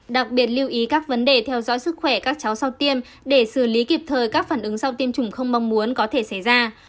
đặc biệt lưu ý các vấn đề theo dõi sức khỏe các cháu sau tiêm để xử lý kịp thời các phản ứng sau tiêm chủng không mong muốn có thể xảy ra